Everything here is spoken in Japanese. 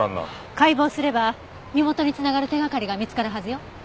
解剖すれば身元に繋がる手掛かりが見つかるはずよ。